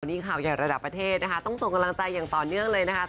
นี่ข่าวใหญ่ระดับประเทศนะคะต้องส่งกำลังใจอย่างต่อเนื่องเลยนะคะ